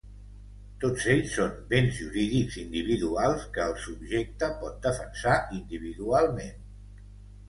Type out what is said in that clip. Tots ells són béns jurídics individuals que el subjecte pot defensar individualment.